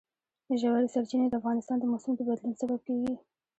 ژورې سرچینې د افغانستان د موسم د بدلون سبب کېږي.